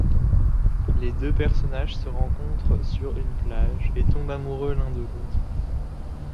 Les deux personnages se rencontrent sur une plage et tombent amoureux l'un de l'autre.